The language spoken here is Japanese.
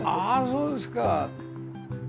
そうですか。